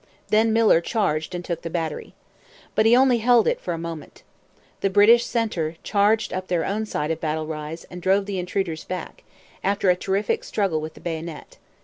Then Miller charged and took the battery. But he only held it for a moment. The British centre charged up their own side of Battle Rise and drove the intruders back, after a terrific struggle with the bayonet.